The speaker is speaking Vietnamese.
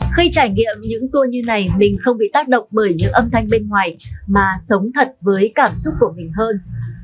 khi trải nghiệm những tour như này mình không bị tác động bởi những âm thanh bên ngoài mà sống thật với cảm xúc của mình hơn